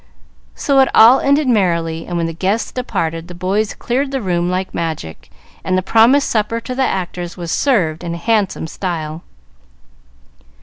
So it all ended merrily, and when the guests departed the boys cleared the room like magic, and the promised supper to the actors was served in handsome style.